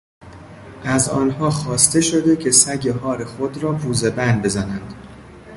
از آنها خواسته شده که سگ هار خود را پوزهبند بزنند.